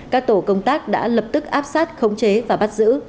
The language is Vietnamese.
các tổ công tác đã lập tức áp sát khống chế và bắt giữ